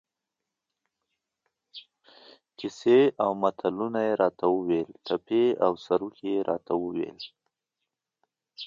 کیسې او متلونه یې را ته ویل، ټپې او سروکي یې را ته ویل.